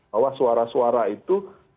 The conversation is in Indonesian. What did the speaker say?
bahwa suara suara itu